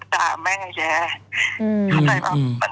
แล้วเราก็รู้สึกว่านี่คือวัดพ่ออย่างชาติ